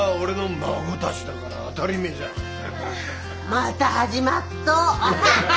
また始まっとう。